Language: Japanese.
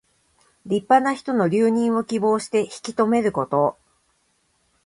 立派な人の留任を希望して引き留めること。